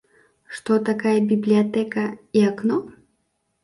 Што такая бібліятэка і акно?